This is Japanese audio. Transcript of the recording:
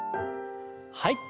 はい。